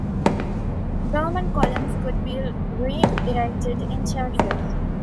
Roman columns could be re-erected in churches.